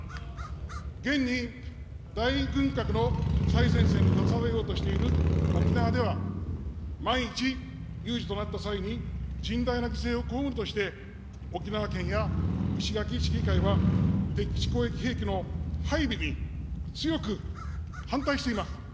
現に大軍拡の最前線に立たされようとしている沖縄では、万一有事となった際に甚大な被害を被るとして、沖縄県や石垣市議会は、敵基地攻撃兵器の配備に強く反対しています。